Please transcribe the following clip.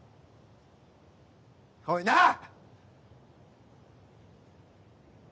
おいなぁ！